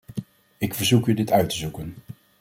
Ik verzoek u dit uit te zoeken.